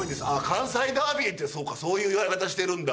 関西ダービーってそうかそういう言われ方してるんだ。